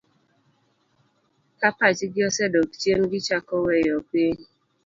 Ka pachgi osedok chien, gichako weyo piny.